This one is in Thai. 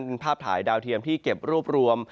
เป็นภาพถ่ายดาวเทียมที่เก็บรวบรวม